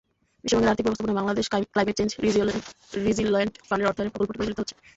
বিশ্বব্যাংকের আর্থিক ব্যবস্থাপনায় বাংলাদেশ ক্লাইমেট চেঞ্জ রিজিলয়েন্ট ফান্ডের অর্থায়নে প্রকল্পটি পরিচালিত হচ্ছে।